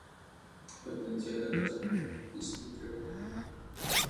Pertenecía a la casa Slytherin.